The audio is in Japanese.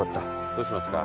どうしますか？